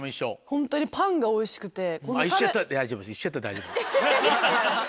ホントにパンがおいしくて。